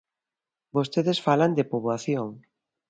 Vostedes falan de poboación.